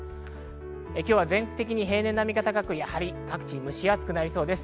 全国的に平年並みか高く、各地蒸し暑くなりそうです。